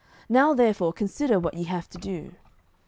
now therefore consider what ye have to do.